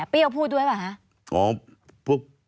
เปรี้ยวพูดด้วยหรือเปล่า